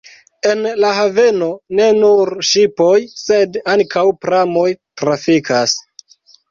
En la haveno ne nur ŝipoj, sed ankaŭ pramoj trafikas.